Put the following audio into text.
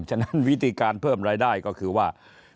ฉะนั้นวิธีการเพิ่มรายได้ก็คือว่า